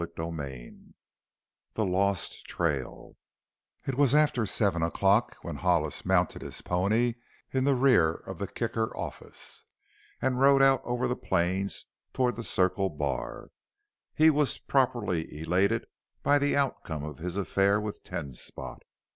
CHAPTER X THE LOST TRAIL It was after seven o'clock when Hollis mounted his pony in the rear of the Kicker office and rode out over the plains toward the Circle Bar. He was properly elated by the outcome of his affair with Ten Spot.